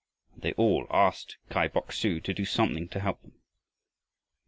And they all asked Kai Bok su to do something to help them.